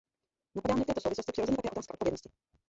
Napadá mě v této souvislosti přirozeně také otázka odpovědnosti.